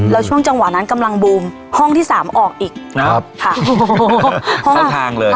แล้วช่วงจังหวะนั้นกำลังบูมห้องที่สามออกอีกครับค่ะครั้งทางเลย